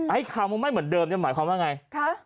ไอ้ข่าวมันไม่เหมือนเดิมหมายความว่าอย่างไร